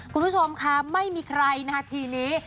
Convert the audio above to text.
คุณผู้ชมค่ะไม่มีใครนาทีนี้